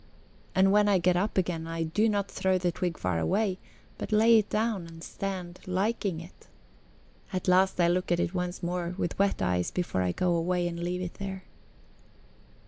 And when I get up again, I do not throw the twig far away, but lay it down, and stand liking it; at last I look at it once more with wet eyes before I go away and leave it there.